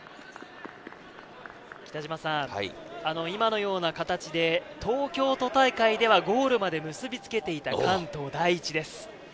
今のような形で東京都大会ではゴールまで結び付けていた関東第一です。